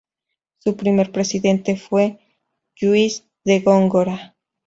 Su primer presidente fue Lluís de Góngora.